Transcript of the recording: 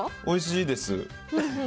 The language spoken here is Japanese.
おいしいです。